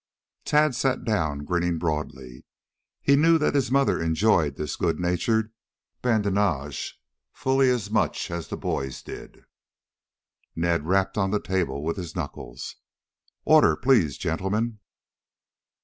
Tad sat down grinning broadly. He knew that his mother enjoyed this good natured badinage fully as much as the boys did. Ned rapped on the table with his knuckles. "Order, please, gentlemen!"